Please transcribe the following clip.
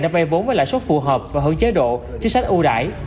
đã vay vốn với lãi suất phù hợp và hướng chế độ chính sách ưu đãi